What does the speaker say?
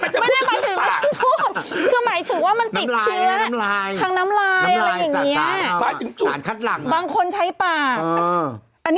อ๋อฉันไม่ใช่ไม่ได้หมายถึงว่าฉันพูด